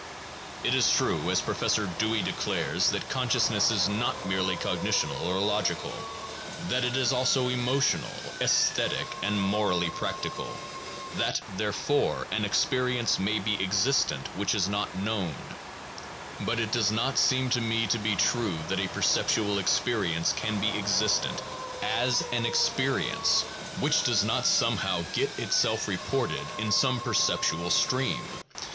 It is true, as Professor Dewey declares, that consciousness is not merely cognitional or logical, that it is also emotional, esthetic, and morally practical, that, therefore, an experience may be existent which is not known, but it does not seem to me to be true that a perceptual experience can be existent, as an experience, which does not somehow get itself reported in some perceptual stream.